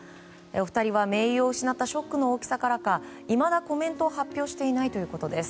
お二人は盟友を失ったショックの大きさからかいまだコメントを発表していないということです。